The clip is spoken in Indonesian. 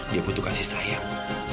dia butuh kasih sayang